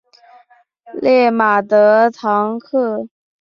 勒马德唐克。